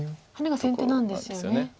ハネが先手なんですよね。